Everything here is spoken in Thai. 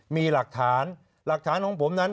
มีหลักฐานหลักฐานของผมนั้น